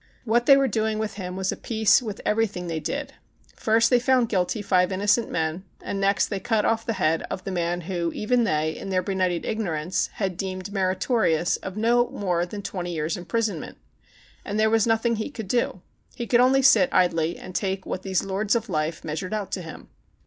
What they were doing with him was of a piece with every thing they did. First they found guilty five innocent men, and next they cut off the head of the man that even they, in their benighted ig norance, had deemed meritorious of no more than twenty years' imprisonment. And there was nothing he could do. He could only sit idly and take what these lords of life measured out to him.